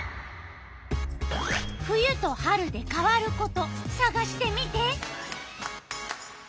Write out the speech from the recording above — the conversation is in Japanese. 冬と春で変わることさがしてみて！